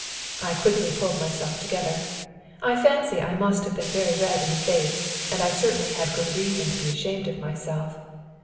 I quickly pulled myself together. I fancy I must have been very red in the face, and I certainly had good reason to be ashamed of myself.